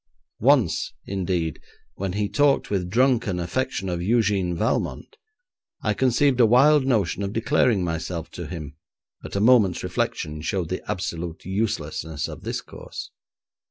Once, indeed, when he talked with drunken affection of Eugène Valmont, I conceived a wild notion of declaring myself to him; but a moment's reflection showed the absolute uselessness of this course.